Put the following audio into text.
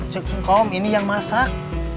cekom ini yang masak